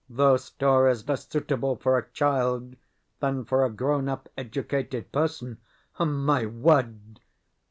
though stories less suitable for a child than for a grown up, educated person. My word!